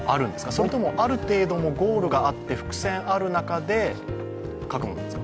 それともある程度のゴールがあって、伏線ある中で書くものなんですか？